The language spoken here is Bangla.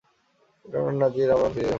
ইমরান নাজির অ্যাম্বার হাফিজ বিয়ে করেন।